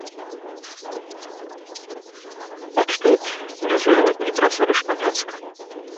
Odtud směřuje lodní trasa do Španělska.